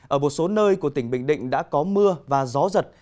ở một số nơi của tỉnh bình định đã có mưa và gió giật